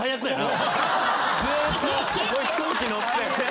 ずーっと飛行機乗って。